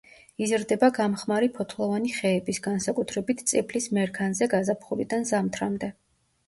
იზრდება გამხმარი ფოთლოვანი ხეების, განსაკუთრებით წიფლის მერქანზე გაზაფხულიდან ზამთრამდე.